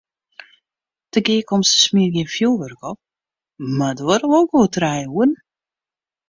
De gearkomste smiet gjin fjoerwurk op, mar duorre wol goed trije oeren.